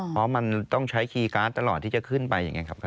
เพราะมันต้องใช้คีย์การ์ดตลอดที่จะขึ้นไป